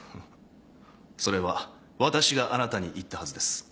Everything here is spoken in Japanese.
それは私があなたに言ったはずです。